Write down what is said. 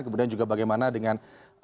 kemudian juga bagaimana dengan